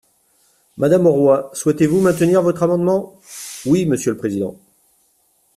Madame Auroi, souhaitez-vous maintenir votre amendement ? Oui, monsieur le président.